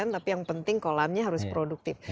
tapi yang penting kolamnya harus produktif